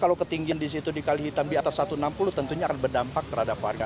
kalau ketinggian di kalihitam di atas satu ratus enam puluh tentunya akan berdampak terhadap warga